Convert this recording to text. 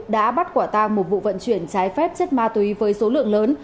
đã bắt quả tang một vụ vận chuyển trái phép chất ma túy với số lượng lớn